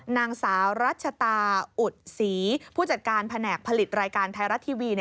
นางสาวรัชตาอุดศรีผู้จัดการแผนกผลิตรายการไทยรัฐทีวี